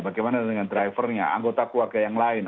bagaimana dengan drivernya anggota keluarga yang lain